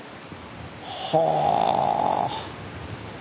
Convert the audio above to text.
はあ。